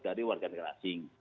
dari warga negara asing